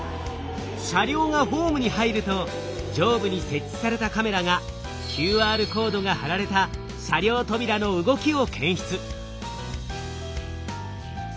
車両がホームに入ると上部に設置されたカメラがＱＲコードが貼られた車両扉の動きを検出。